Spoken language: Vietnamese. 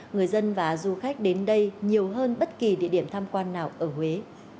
người dân và du khách đến đây nhiều hơn bất kỳ địa điểm tham quan nào ở huế